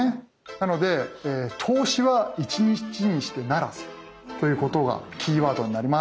なので「投資は一日にして成らず」ということがキーワードになります。